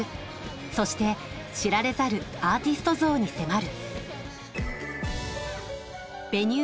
そして、知られざるアーティスト像に迫る。